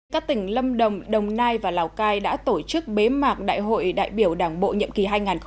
các tỉnh lâm đồng đồng nai và lào cai đã tổ chức bế mạc đại hội đại biểu đảng bộ nhiệm kỳ hai nghìn hai mươi hai nghìn hai mươi năm